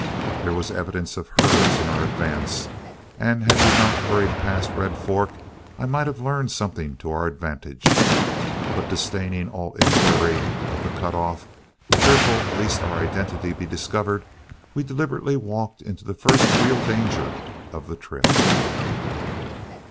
There was evidence of herds in our advance, and had we not hurried past Red Fork, I might have learned something to our advantage. But disdaining all inquiry of the cut off, fearful lest our identity be discovered, we deliberately walked into the first real danger of the trip.